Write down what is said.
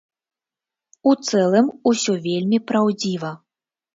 У цэлым усё вельмі праўдзіва.